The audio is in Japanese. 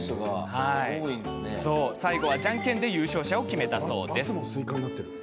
最後は、じゃんけんで優勝者を決めたそうです。